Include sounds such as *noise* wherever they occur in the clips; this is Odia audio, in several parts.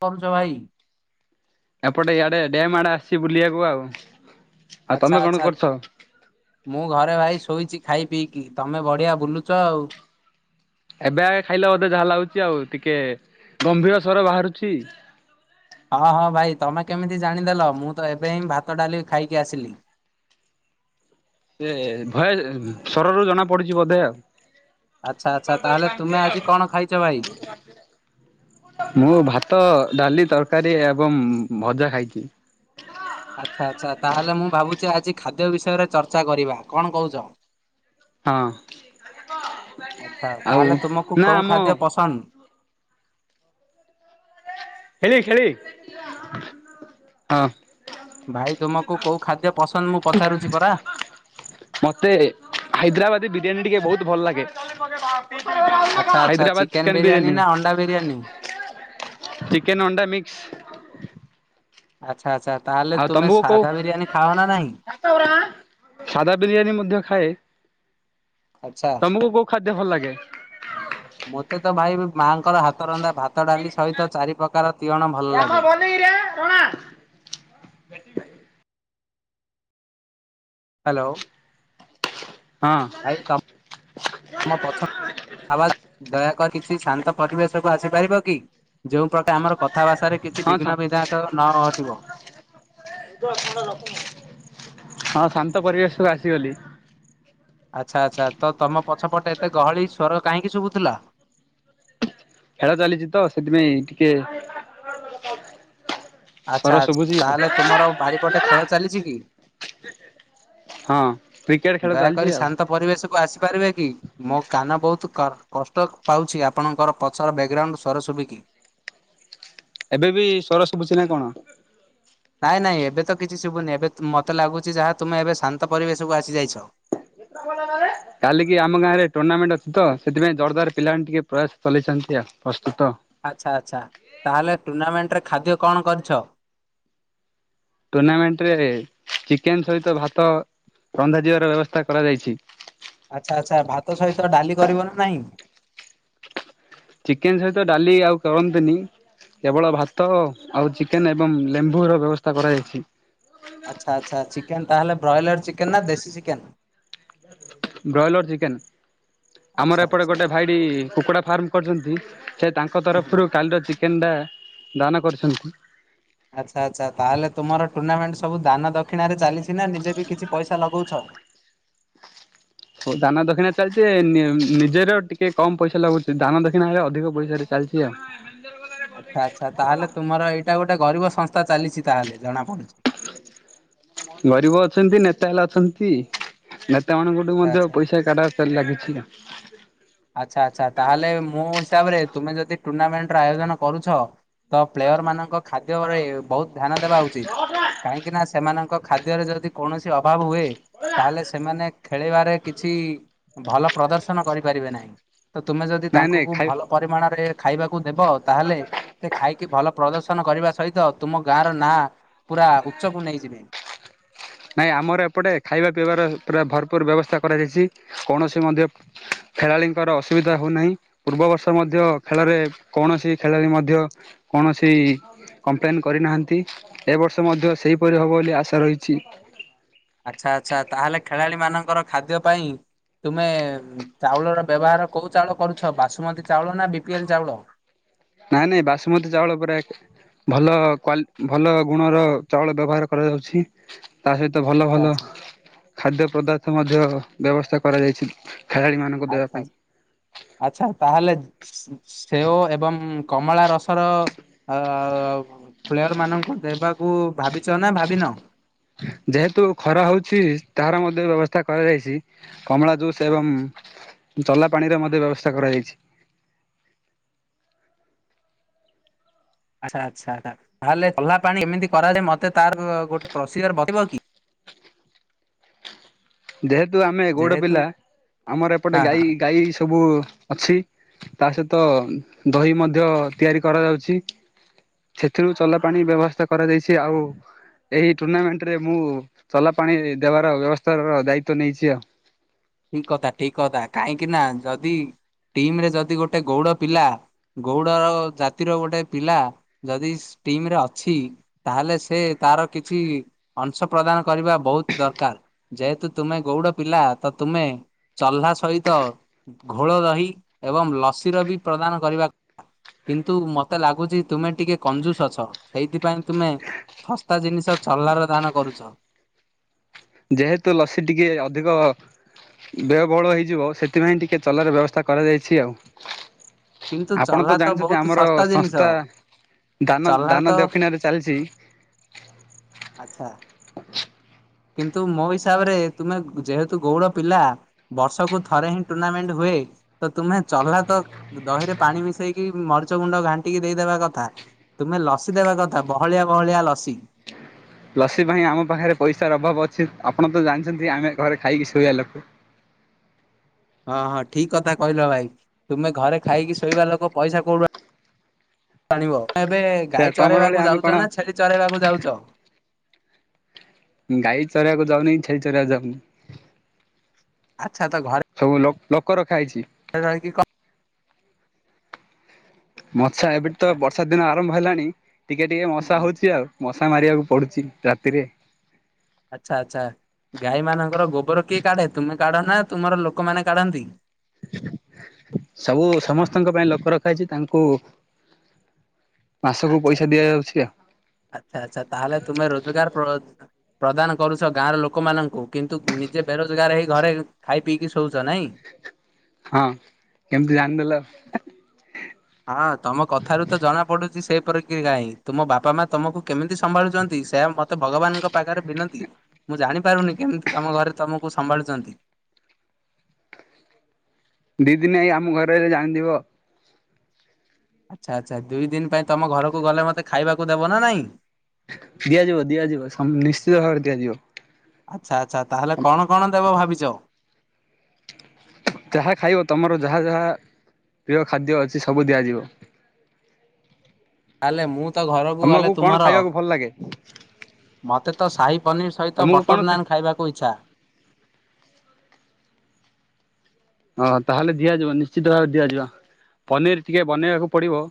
*unintelligible* ପଂ ଜ ଭାଇ ଏପଟେ ଇଆଡେ ଡେମ୍ ଆଡେ ଆସିଛି ବୁଲିବାକୁ ଆଉ। ଆଉ ତମେ ଆଛା କଣ ଆଚ୍ଛା କରୁଛ? ମୁଁ ଘରେ ଭାଇ ଶୋଇଛି। ଖାଇ ପିଇକି ତମେ ବଢିଆ ବୁଲୁଛ ଆଉ। ଏବେ ଆଗେ ଖାଇଲ ବୋଧେ ଯାହା ଲାଗୁଛି ଆଉ ଟିକେ ଗମ୍ଭୀର ସ୍ୱର ବାହାରୁଛି। ହଁ ହଁ ଭାଇ ତମେ କେମିତି ଜାଣିଦେଲ ମୁଁ ତ ଏବେ ହିଁ ଭାତ ଡାଲି ଖାଇକି ଆସିଲି। ସେ ଭୟ ଯ ଶ୍ବରରୁ ଜଣା ପଡିଛି ବୋଧେ ଆଉ। ଆଚ୍ଛା ଆଚ୍ଛା ତାହେଲେ, ତୁମେ ଆଜି କଣ ଖାଇଛ ଭାଇ? ମୁଁ ଭାତ, ଡାଲି, ତରକାରୀ ଏବଂ ଭଜା ଖାଇଛି। ଆଚ୍ଛା ଆଚ୍ଛା ତାହେଲେ ମୁଁ ଭାବୁଛି ଆଜି ଖାଦ୍ୟ ବିଷୟରେ ଚର୍ଚ୍ଚା କରିବା, କଣ କହୁଛ? ହଁ ଆଛା ଆଉ ତାହେଲେ, ତୁମକୁ ନା କୋଉଁ ଆମ ଖାଦ୍ୟ ପସନ୍ଦ? ଖେଳି ଖେଳି ହଁ। ଭାଇ ତୁମକୁ କୋଉ ଖାଦ୍ୟ ପସନ୍ଦ ମୁଁ ପଚାରୁଛି ପରା। ମତେ ହାଇଦ୍ରାବାଦି ବିରିୟାନୀ ଟିକେ ବ ବହୁତ ଭଲ ଲାଗେ। ଆଚ୍ଛା ଆଚ୍ଛା, ଚିକେନ ବିରିୟାନୀ ନା ଅଣ୍ଡା ବିରିୟାନୀ? ଚିକେନ ଅଣ୍ଡା ମିକ୍ସ୍। ଆଚ୍ଛା ଆଚ୍ଛା ତାହଲେ ତୁମେ ସାଧା ବିରିୟାନୀ ଖାଅ ନା ନାଇଁ? ସାଧା ବିରିୟାନୀ ମଧ୍ୟ ଖାଏ, ଆଚ୍ଛା ତମକୁ କୋଉ ଖାଦ୍ୟ ଭଲ ଲାଗେ? ମୋତେ ତ ଭାଇ ମାଆଙ୍କର ହାତ ରନ୍ଧା ଭାତ ଡାଲି ସହିତ ଚାରି ପ୍ରକାର ତିଅଣ ଭଲ ଆ ହ ଲାଗେ। ବନ୍ଦେଇରେ କଣ *unintelligible* ହ୍ୟାଲୋ। ଭାଇ ତମ *unintelligible* ପଛ ବା ଦୟାକରି କିଛି ଶାନ୍ତ ପରିବେଶକୁୁ ଆସି ପାରିବ କି ଯୋଉ ପ୍ରକା ଆମର କଥା ଭାଷାରେ କିଛି ସା ବିଘ୍ନ ବିଧାୟକ ନ ଘଟିବ। ହଁ ଶାନ୍ତ ପରିବେଶ କୁ ଆସିଗଲି। ଆଚ୍ଛା ଆଚ୍ଛା ତ ତମ ପଛପଟେ ଏତେ ଗହଳି ସ୍ୱର କାହିଁକି ଶୁଭୁଥିଲା? ଖେଳ ଚାଲିଚି ତ ସେଥିପାଇଁ ଟିକେ ଆଚ୍ଛା ସ୍ୱର ଶୁଭୁଛି ଆଚ୍ଛା ଆଉ। ତାହେଲେ ତୁମର ବାରିପଟେ ଖେଳ ଚାଲିଛି କି? ହଁ। କ୍ରିକେଟ ଖେଳ ଚାଲିଛି ଦୟାକରି ଆଉ ଶାନ୍ତ ପରିବେଶକୁ ଆସ ପାରିବେ କି ମୋ କାନ ବହୁତ କର କଷ୍ଟ ପାଉଛି ଆପଣଙ୍କର ପଛର ବ୍ୟାଗ୍ରାଉଣ୍ଡ ସ୍ୱର ସୁୁବିକି। ଏବେ ବି ସ୍ୱର ଶୁଭୁଛି ନା କଣ? ନାଇଁ ନାଇଁ ଏବେ ତ କିଛି ଶୁଭୁନି ଏବେ ତ ମୋତେ ଲାଗୁଛି ଯାହା ତୁମେ ଏବେ ଶାନ୍ତ ପରିବେଶକୁ ଆସି ଯାଇଛ। କେତେଟା ବଲ୍ ହେଲାରେ? କାଲିିକି ଆମ ଗାଁରେ ଟୁର୍ଣ୍ଣାମେଣ୍ଟ ଅଛି ତ ସେଥିପାଇଁ ଜୋରଦଵାର ପିଲାମାନେ ଟିକେ ପ୍ରୟାସ ଚଲେଇଛନ୍ତି ଆଉ ପ୍ରସ୍ତୁତ। ଆଚ୍ଛା ଆଚ୍ଛା ତାହେଲେ ଟୁର୍ଣ୍ଣାମେଣ୍ଟରେ ଖାଦ୍ୟ କଣ କରିଛ? ଟୁର୍ଣାମେଣ୍ଟରେ ଚିକେନ ସହିତ ଭାତ ରନ୍ଧା ଯିବାର ବ୍ୟବସ୍ଥା କରାଯାଇଛି। ଆଚ୍ଛା ଆଚ୍ଛା ଭାତ ସହିତ ଡାଲି କରିବ ନା ନାହିଁ? ଚିକେନ ସହିତ ଡାଲି ଆଉ କରନ୍ତୁନି। କେବଳ ଭାତ ଆଉ ଚିକେନ ଏବଂ ଲେମ୍ବୁ ର ବ୍ୟବସ୍ଥା କରାଯାଇଛି। ଆଚ୍ଛା ଆଚ୍ଛା ଚିକେନ ତାହେଲେ ବ୍ରଏଲାର ଚିକେନ୍ ନା ଦେଶୀ ଚିକେନ? Broiler chicken. ଆଚ୍ଛା ଆମର ଏପଟେ ଆଚ୍ଛା ହୁଁ। ଗୋଟେ ଭାଇଡି କୁକୁଡ଼ା ଫାର୍ମ କରିଛନ୍ତି ସେ ତାଙ୍କ ହୁଁ। ତରଫରୁ କାଲିର ଚିକେନ ଟା ଦାନ କରିଛନ୍ତି। ଆଚ୍ଛା ଆଚ୍ଛା ତାହେଲେ ତୁମର ଟୁର୍ଣ୍ଣାମେଣ୍ଟ ସବୁ ଦାନ ଦକ୍ଷିଣାରେ ଚାଲିଛି ନା ନିଜେ ବି କିଛି ପଇସା ଲଗଉଛ? ହଉ ଦାନା ଦକ୍ଷିଣା ଚାଲିଛି ନି ନିଜର ଟିକେ କମ ପଇସା ଲାଗୁଛି ଦାନା ଦକ୍ଷିଣା ହେଲେ ଅଧିକ ପଇସା ରେ ଚାଲିଛି। ଚାଲିଛି ବା। ଆଚ୍ଛା ଆଚ୍ଛା ତାହେଲେ ତୁମର ଏଇଟା ଗୋଟେ ଗରିବ ସଂସ୍ଥା ଚାଲିଛି ତାହେଲେ। ଜଣା ପଡୁଛି ଗରିବ ଅଛନ୍ତି ନେତା ହେଲେ ଅଛନ୍ତି ନେତା ମାନଙ୍କଠୁ ମଧ୍ୟ ଆଚ୍ଛା। ପଇସା କାଢା ବାରେ ଲାଗିଛି ଆଉ। ଆଚ୍ଛା ଆଚ୍ଛା ତାହେଲେ ମୋ ହିସାବରେ ତୁମେ ଯଦି ଟୁର୍ଣ୍ଣାମେଣ୍ଟର ଆୟୋଜନ କରୁଛ ତ ପ୍ଲେୟର ମାନଙ୍କ ଖାଦ୍ୟରେ ବହୁତ ଧ୍ୟାନ ଦେବା ଉଚିତ କାହିଁକି ନା ସେମାନ ଖାଦ୍ୟରେ ଯଦି କୌଣସି ଅଭାବ ହୁଏ। ତାହେଲେ ସେମାନେ ଖେଳିବାରେ କିଛି ଭଲ ପ୍ରଦର୍ଶନ କରିପାରିବେ ନାହିଁ। ତ ତୁମେ ଯଦି ନାଇଁ ନାଇଁ ତାଙ୍କୁକୁ ଖାଇ ଭଲ ପରିମାଣରେ ଖାଇବାକୁ ଦେବ ତାହେଲେ ସେ ଖାଇକି ଭଲ ପ୍ରଦର୍ଶନ କରିବା ସହିତ ତୁମ ଗାଁର ନାଁ ପୁରା ଉଚ୍ଚକୁ ନେଇଯିବେ। ନାଇଁ ଆମର ଏପଟେ ଖାଇବା ପିଇବାର ପୁରା ଭର ଭରପୂର ବ୍ୟବସ୍ଥା କରାଯାଇଛି। କୌଣସି ମଧ୍ୟ ଖେଳାଳିଙ୍କର ଅସୁବିଧା ହଉନାହିଁ ପୂର୍ବବର୍ଷ ମଧ୍ୟ ଖେଳରେ କୌଣସି ଖେଳାଳି ମଧ୍ୟ କୌଣସି କମ୍ପ୍ଲେନ କରିନାହାନ୍ତି ଏ ବର୍ଷ ମଧ୍ୟ ସେହିପରି ହବ ବୋଲି ଆଶା ରହିଛି। ଆଚ୍ଛା ଆଚ୍ଛା ତାହେଲେ ଖେଳାଳି ମାନଙ୍କର ଖାଦ୍ୟ ପାଇଁ ତୁମେ ଚାଉଳର ବ୍ୟବହାର କଉ ଚାଉଳ କରୁଛ ବାସୁମତୀ ଚାଉଳ ନା ବି ପି ଏଲ୍ ଚାଉଳ? ନାଇଁ ନାଇଁ ବାସୁମତୀ ଚାଉଳ ପରା ଏକ। ଭଲ କ୍ୱାଲି ଭଲ ଗୁଣର ଚାଉଳ ବ୍ୟବହାର କରାଯାଉଛି। ତା ସହିତ ଭଲ ଆଚ୍ଛା ଭଲ ଆଚ୍ଛା ଖାଦ୍ୟ ପଦାର୍ଥ ମଧ୍ୟ ବ୍ୟବସ୍ଥା କରାଯାଇଛି। ଖେଳାଳିମାନଙ୍କୁ ଦେବା ଆଚ୍ଛା ପାଇଁ। ଆଚ୍ଛା ଆଚ୍ଛା ତାହଲେ ସେଓ ଏବଂ। କମଳା ରସର ଆ। ପ୍ଲେୟର ମାନଙ୍କୁ ଦେବାକୁ ଭାବିଛ ନା ଭାବିିନ? ଯେହେତୁ ଖରା ହଉଛି ତାହାର ମଧ୍ୟ ବ୍ୟବସ୍ଥା କରାଯାଇଛି। କମଳା ଜୁସ୍ ଏବଂ। ଆଚ୍ଛା ଚଲା ପାଣିର ମଧ୍ୟ ବ୍ୟବସ୍ଥା କରାଯାଇଛି। ଆଛା ଆଚ୍ଛା ତାହେଲେ ଚଲା ପାଣି କେମିତି କରାଯାଏ ମତେ ତାର ଗୋଟେ ପ୍ରୋଷିକାର ବତେଇବ କି? *unintelligible* ଯେହେତୁ ଆମେ ଗୌଡ଼ ଯେହେତୁ ପିଲା ଆମର ଏପଟେ ହଁ ଗାଈ ହଁ ଗାଈ ସବୁ ଅଛି। ତା ସହିତ ଦହି ମଧ୍ୟ ତିଆରି କରାଯାଉଛି। ସେଥିରୁ ଚଲା ପାଣି ବ୍ୟବସ୍ଥା କରାଯାଇଛି ଆଉ। ଏଇ ଟୁର୍ଣ୍ଣାମେଣ୍ଟ ରେ ମୁଁ ଚଲା ପାଣି ଦେବାର ବ୍ୟବସ୍ଥାର ଦାୟିତ୍ୱ ନେଇଛି ଆଉ। ଠିକ କଥା ଠିକ କଥା କାହିଁକି ନା ଯଦି ଟିମରେ ଯଦି ଗୋଟେ ଗୌଡ ପିଲା। ଗୌଡ଼ର ଜାତିର ଗୋଟେ ପିଲା ଯଦି ଟିମିରେ ଅଛି ତାହେଲେ ସେ ତାର କିଛି ଅଂଶ ପ୍ରଦାନ କରିବା ବହୁତ ଦରକାର ଯେହେତୁ ତୁମେ ଗୌଡ଼ ପିଲା। ତ ତୁମେ? ଚହ୍ଲା ସହିତ ଘୋଳ ଦହି ଏବଂ ଲସିର ବି ପ୍ରଦାନ କରିବା କଥା। କିନ୍ତୁ ମତେ ଲାଗୁଛି ତୁମେ ଟିକେ କଞ୍ଜୁସ ଅଛ ସେଇଥିପାଇଁ ତୁମେ। ଶସ୍ତା ଜିନିଷ ଚଲାର ଦାନ କରୁଚ। ଯେହେତୁ ଲସି ଟିକେ ଅଧିକ ବ୍ୟୟ ବହୁଳ ହେଇଯିବ ସେଥିପାଇଁ ଟିକେ ଚଲାର ବ୍ୟବସ୍ଥା କରାଯାଇଛି ଆଉ। କିନ୍ତୁ ଆପଣ ଚହ୍ଲା ତ ଜାଣିଛନ୍ତି ବହୁତ ଆମର ଶସ୍ତା ଜିନିଷ ସଂସ୍ଥା ଦାନ ଚହ୍ଲା ତ ଦାନ ଦକ୍ଷିଣାରେ ଚାଲିଚି ଆଚ୍ଛା। କିନ୍ତୁ ମୋ ହିସାବରେ ତୁମେ ଯେହେତୁ ଗଉଡ଼ ପିଲା ବର୍ଷକୁୁ ଥରେ ହିଁ ଟୁର୍ଣ୍ଣାମେଣ୍ଟ ହୁଏ ଏ ତ ତୁମେ ଚଲା ତ ଦହିରେ ପାଣି ମିଶେଇକି ମରିଚ ଗୁଣ୍ଡ ଘାଣ୍ଟିକି ଦେଇଦବା କଥା ତୁମେ ଲସି ଦେବା କଥା ବହଳିଆ ବହଳିଆ ଲସି *inaudible* ଲସି ପାଇଁ ଆମ ପାଖରେ ପଇସାର ଅଭାବ ଅଛି ଆପଣ ତ ଜାଣିଛନ୍ତି ଆମେ ଘରେ ଖାଇକି ଶୋଇବା ଲୋକ *inaudible* ହଁ ହଁ ଠିକ କଥା କହିଲ ଭାଇ ତୁମେ ଘରେ ଖାଇକି ଶୋଇବା ଲୋକ ପଇସା କଉଠୁ ଆଣିବ ତ ଏବେ ସେ ଗାଈ ତମର ଭଳିଆ ଚରେଇବାକୁ ଆମେ କଣ ଯାଉଚ ନା ଛେଳି ଚରାଇବାକୁ ଯାଉଚ? ଗାଈ ଚରେବାକୁ ଯାଉନି ଛେଳି ଚରେବାକୁ ଯାଉନି। ସବୁ ଲୋ ଲୋକ ରଖା ହେଇଚି। ହେରା ରହିକି କ ମଶା ଏବେଠୁ ତ ଆଚ୍ଛା ବର୍ଷା ଦିନ ଆରମ୍ଭ ହେଲାଣି ଟିକେ ଟିକେ ହୁଁ ମଶା ହଉଚି ଆଉ ମ ଶା ମାରିବାକୁ ପଡୁଛି ରାତିରେ। ଆଚ୍ଛା ଆଚ୍ଛା। ଗାଈ ମାନଙ୍କର ଗୋବର କିଏ କାଢ଼େ ତୁମେ କାଢ ନା ତୁମର ଲୋକମାନେ କାଢ଼ନ୍ତି? *inaudible* ସବୁ ସମସ୍ତଙ୍କ ପାଇଁ ଲୋକ ରଖା ହେଇଛି ତାଙ୍କୁ ମାସକୁ ଆଚ୍ଛା ପଇସା ଆଚ୍ଛା ଦିଆଯାଉଛି ଆଉ ଆଚ୍ଛା ଆଚ୍ଛା ତାହଲେ ତୁମେ ରୋଜଗାର ପ୍ର ପ୍ରଦାନ କରୁଛ ଗାଁର ଲୋକମାନଙ୍କୁ କିନ୍ତୁ ନିଜେ ବେରୋଜଗାର ହେଇ ଘରେ ଖାଇ ପିଇକି ଶୋଉ ହଁ କେମିତି ଜାଣିଦେଲ? ହଁ ତମ କଥାରୁ ତ ଜଣା ପଡୁଚି ସେ କର କି ନାହିଁ ତୁମ ବାପା ମା ତମକୁ କେମିତି ସମ୍ଭାଳୁଛନ୍ତି ସେୟା ମତେ ଭଗବାନଙ୍କ ପାଖରେ ବିନତି ମୁଁ ଜାଣିପାରୁନି କେମିତି ତମ ଘରେ ତମକୁ ସମ୍ଭାଳୁଚନ୍ତି। ଦି ଦିନି ଆଇ ଆମ ଘରେ ଜାଣିଯିବ। ଆଚ୍ଛା ଆଚ୍ଛା ଦିଇ ଦିନ ପାଇଁ ତମ ଘରକୁ ଗଲେ ମତେ ଖାଇବାକୁ ଦେବ ନା ନାଇଁ? ଦିଆଯିବ ଦିଆଯିବ ସମ ନିଶ୍ଚିତ ଭାବରେ ଦିଆଯିବ। ଆଚ୍ଛା ଆଚ୍ଛା ତାହେଲେ କଣ କଣ ଦେବ ଭାବିଚ? ଯାହା ଖାଇବ ତୁମର ଯାହା ଯାହା ପ୍ରିୟ ଖାଦ୍ୟ ଅଛି ସବୁ ଦିଆଯିବ। ତାହେଲେ ମୁଁ ତ ଘରକୁ ଗଲେ ତମକୁ କଣ ତୁମର ଖାଇବାକୁ ଭଲ ଲାଗେ ମୋତେ ତ ସାହି ପନିର ସହିତ ତମକୁ କଣ ବଟର ହଁ ନାନ୍ ଖାଇବାକୁ ଇଚ୍ଛା। ଓଁ ତାହେଲେ ଦିଆଯିବ ନିଶ୍ଚିତ ଭାରେ ଦିଆଯିବ ପନିର୍ ଟିକେ ବନେଇବାକୁ ପଡିବ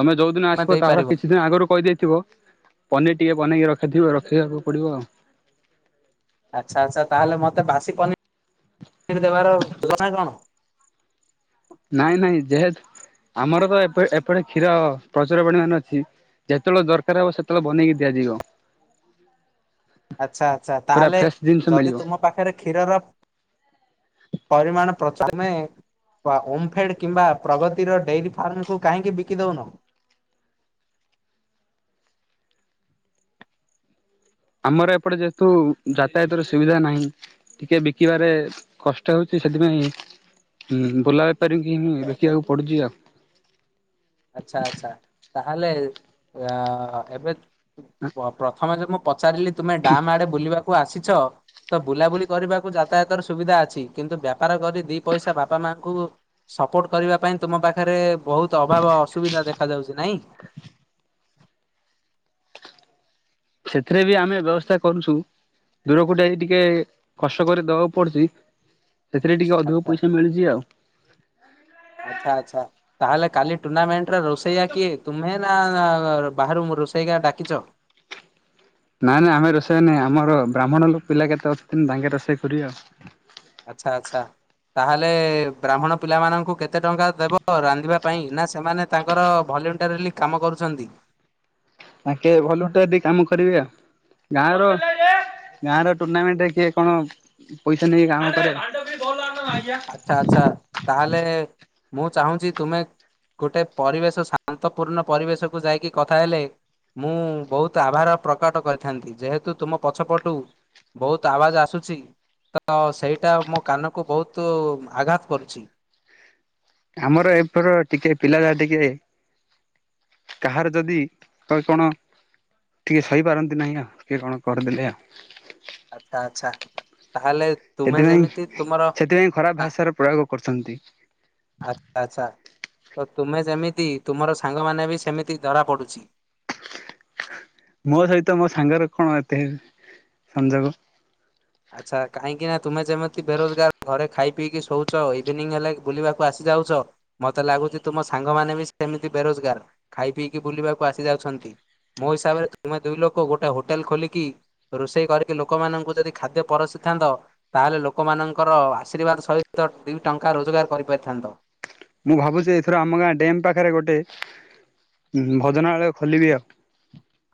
ତମେ ଯୋଉ ଦିନ ତୁମେ ଆସିବ ତାର ଦେଇପାରିବ। କିଛି ଦିନ ଆଗରୁ କହିଦେଇଥିବ ପନିର୍ ଟିକେ ବନେଇକି ରଖିଥିବ ରଖିବାକୁ ପଡିବ ଆଉ। ଆଚ୍ଛା ଆଚ୍ଛା ତାହେଲେ ମତେ ବାସି ପନିର୍ ପନିର୍ ଦେବାର ରଖିଛ ନା କଣ? ନାଇଁ ନାଇଁ ଯେହେତୁ ଆମର ତ ଏ ଏପଟେ କ୍ଷୀର ପ୍ରଚୁର ପରିମାଣ ରେ ଅଛି। ଯେତେବେଳେ ଦରକାର ହବ ସେତେବେଳେ ବନେଇକି ଦିଆଯିବ। ଆଚ୍ଛା ଆଚ୍ଛା ପୁରା ତାହେଲେ ଫ୍ରେଶ ଜିନିଷ ଯଦି ମିଳିବ। ତୁମ ପାଖରେ କ୍ଷୀରର ପରିମାଣ ପ *unintelligible* ଓମ୍ଫେଡ୍ କିମ୍ବା ପ୍ରଗତିର ଡେରି ଫାର୍ମକୁ କାହିଁକି ବିକିଦଉନା। *inaudible* ଆମର ଏପଟେ ଯେହେତୁ ଯାତାୟାତର ସୁବିଧା ନାହିଁ ଟିକେ ବିକିବାରେ କଷ୍ଟ ହେଉଛି। ସେଥିପାଇଁଁ ବୁଲା ବେପାରି କି ଆଚ୍ଛା ଆଚ୍ଛା ବିକିବାକୁ ପଡୁଛି ଆଉ। ଆଚ୍ଛା ଆଚ୍ଛା ତାହେଲେ ଅ ଏବେ ପ୍ରଥମେ ଯେ ମୁଁ ପଚାରିଲି ତୁମେ ଡାମ୍ ଆଡେ ବୁଲିବାକୁ ଆସିଛ? ତ ବୁଲାବୁଲି କରିବାକୁ ଯାତାୟାତର ସୁବିଧା ଅଛି କିନ୍ତୁ ବେପାର କରି ଦି ପଇସା ବାପା ମାଆଙ୍କୁ ସପୋର୍ଟ କରିବା ପାଇଁ ତୁମ ପାଖରେ ବହୁତ ଭ ବା ଅସୁବିଧା ଦେଖା ଯାଉଛି ନାଇଁ। ସେଥିରେ ବି ଆମେ ବ୍ୟବସ୍ଥା କରୁଛୁ। ଦୂରକୁ ଯାଇ ଟିକେ କଷ୍ଟ କରି ଦବାକୁ ପଡୁଛି। ସେଥିରେ ଟିକେ ଅଧିକ ଆଚ୍ଛା। ପଇସା ମିଳୁଛି ଆଉ। ଆଚ୍ଛା ଆଛା ତାହେଲେ କାଲି ଟୁର୍ଣ୍ଣାମେଣ୍ଟରେ ରୋଷେଇଆ କିଏ? ତୁମେ ନା ବାହାରୁ ରୋଷେଇ କା ଡାକିଛ। ନାଇଁ ନାଇଁ ଆମେ ରୋଷେଇ ନାାଇଁ, ଆମର ବ୍ରାହ୍ମଣ ପିଲା କେତେ ଅଛନ୍ତି ତାଙ୍କେ ରୋଷେଇ କରିବେ ଆଉ। ଆଚ୍ଛା। ଆଚ୍ଛା। ତାହେଲେ ବ୍ରାହ୍ମଣ ପିଲାମାନଙ୍କୁ କେତେ ଟଙ୍କା ଦେବ ରାନ୍ଧିବା ପାଇଁ ନା ସେମାନେ ତାଙ୍କର ଭଲ *unintelligible* କାମ କରୁଛନ୍ତି। ଆଙ୍କେ ଭଲଟ ଟିକ କାମ କରିବି ଆଉ, ଗାଁ ର ଗାଁ ର ଟୁର୍ଣ୍ଣାମେଣ୍ଟରେ କିଏ କଣ ପଇସା ନେଇକ କାଁମ କରେ ଆଛା ଆଚ୍ଛା, ତାହେଲେ ମୁଁ ଚାହୁଁଛି ତୁମେ ଗୋଟେ ପରିବେଶ ଶାନ୍ତପୂର୍ଣ୍ଣ ପରିବେଶକୁ ଯାଇକି କଥା ହେଲେ ମୁଁ ବହୁତ ଆଭାର ପ୍ରକଟ କରିଥାନ୍ତି, ଯେହେତୁ ତୁମ ପଛପଟୁ ବହୁତ ଆବାଜ ଆସୁଛି ତ ସେଇଟା ମୋ କାନକୁ ବହୁତ ତ ଆଘାତ କରୁଛି। ଆମର ଏପର ଟିକେ ପିଲା ଯାହା ଟିକେ କାହାର ଯଦି ତହ କଣ ଟିକେ ସହିପାରନ୍ତି ନାହିଁ ଆଉ କିଏ କଣ କରିଦେଲେ ଆଉ। ଆଚ୍ଛା। ଆଚ୍ଛା। ତାହେଲେ ତୁମେ ସେଥିପାଇଁ ଯେମିତି ତୁମର ସେଥିପାଇଁ ଖରାପ ଭାଷାର ପ୍ରୟୋଗ କରୁଛନ୍ତି ଆଛା ଆଛା। ତ ତୁମେ ଯେମିତି ତୁମର ସାଙ୍ଗମାନେ ବି ସେମିତି ଧରାପଡୁଛି। ମୋ ସହିତ ମୋ ସାଙ୍ଗରେ କଣ ଏତେ ସଂଯୋଗ? ଆଚ୍ଛା କାହିଁକି ନା ତୁମେ ଯେମିତି ବେରୋଜଗାର ଘରେ ଖାଇ ପିଇକି ଶୋଉଛ ଇଭିନିଂ ହେଲେ ବୁଲିବାକୁ ଆସିବ ଯାଉଛ ମତେ ଲାଗୁଛି ତୁମ ସାଙ୍ଗ ମାନେ ବି ସେମିତି ବେରୋଜଗାର, ଖାଇ ପିଇକି ବୁଲିବାକୁ ଆସି ଯାଉଛନ୍ତି। ମୋ ହିସାବରେ ତୁମେ ଦୁଇ ଲୋକ ଗୋଟେ ହୋଟେଲ ଖୋଲିକି ରୋଷେଇ କରିକି ଲୋକମାନଙ୍କୁ ଯଦି ଖାଦ୍ୟ ପରସିିଥାନ୍ତ ତାହେଲେ ଲୋକମାନଙ୍କର ଆଶୀର୍ବାଦ ସହିତ ଦୁଇ ଟଙ୍କା ରୋଜଗାର କରିପାରିଥାନ୍ତତା। ନ୍ତ। ମୁଁ ଭାବୁଛି ଏଥର ଆମ ଗାଁ ଡ୍ୟମ୍ ପାଖରେ ଗୋଟେ ହଁ ଭୋଜନାଳୟ ଖୋଲିବି ଆଉ।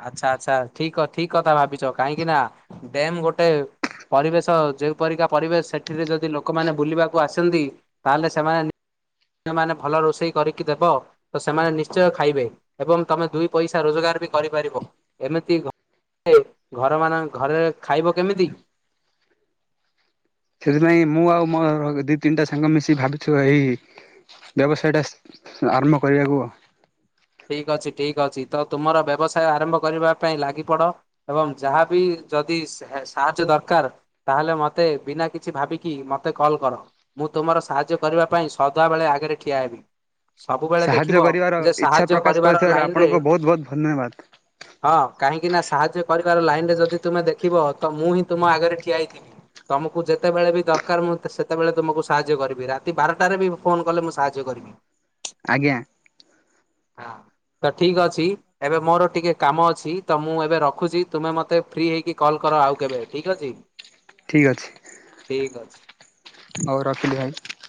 ଆଚ୍ଛା ଆଚ୍ଛା, ଠିକ ଠିକ କଥା ଭାବିଛ କାହିଁକି ନା ଡ୍ୟାମ୍ ଗୋଟେ ପରିବେଶ, ଯେଉଁ ପରରିକା ପରିବେଶ ସେଠିରେ ଯଦି ଲୋକମାନେ ବୁଲିବାକୁ ଆସନ୍ତି ତାହେଲେ ସେମାନେ ସେମାନେ ଭଲ ରୋଷେଇ କରିକି ଦେବ ତ ସେମାନେ ନିଶ୍ଚୟ ଖାଇବେ ଏବଂ ତମେ ଦୁଇ ପଇସା ରୋଜଗାର ବି କରିପାରିବ ଏମିତି ଘ ରେ ଘର ମାନ ଘରେ ଖାଇବ କେମିତି? ସେଥିପାଇଁ ମୁଁ ଆଉ ମୋ ଦି ତିନିଟା ସାଙ୍ଗ ମିଶି ଭାବିଛୁ ଏଇ ବ୍ୟବସାୟଟା ଆରମ୍ଭ କରିବାକୁ ଆଉ। ଠିକ ଅଛି ଠିକ ଅଛି ତ ତୁମର ବ୍ୟବସାୟ ଆରମ୍ଭ କରିବା ପାଇଁ ଲାଗିପଡ଼ ଏବଂ ଯାହାବି ଯଦି ସାହାଯ୍ୟ ଦରକାର ତାହେଲେ ମତେ ବିନା କିଛି ଭାବିକି ମତେ କଲ୍ କର। ମୁଁ ତୁମର ସାହାଯ୍ୟ କରିବା ପାଇଁ ସଦାବେଳେ ଆଗରେ ଠିଆ ହେବି, ସବୁବେଳେ ଦେଖିବ ସାହାଯ୍ୟ କରିବାର ଯେ ଇଚ୍ଛା ସାଙ୍ଗ ପ୍ରକାଶ କରିବାର କରିଥିବାରୁ ଲାଇନ ରେ, ଆପଣଙ୍କୁ ବହୁତ ବହୁତ ଧନ୍ୟବାଦ ହଁ କାହିଁକି ନା ସାହାଯ୍ୟ କରି *unintelligible* ଲାଇନ ରେ ଯଦି ତୁମେ ଦେଖିବ ତ ମୁଁ ହିଁ ତୁମ ଆଗରେ ଠିଆ ହେଇଥିବି। ତମକୁ ଯେତେବେଳେ ବି ଦରକାର ମୁଁ ସେତେବେଳେ ତୁମକୁ ସାହାଯ୍ୟ କରିବି ରାତି ବାରଟାରେ ବି ଫୋନ କଲେ ମୁଁ ସାହାଯ୍ୟ କରିବି। କରିବ। ଆଜ୍ଞା। *inaudible* ତ ଠିକ ଅଛି। ଏବେ ମୋର ଟିକେ କାମ ଅଛି। ତ ମୁଁ ଏବେ ରଖୁଚି। ତୁମେ ମତେ ଫ୍ରି ହେଇ କଲ୍ କର ଆଉ କେବେ ଠିକ ଅଛି ଠିକ୍ ଅଛି ଠିକ ଅଛି। ହଉ ରଖିଲି ଭାଇ।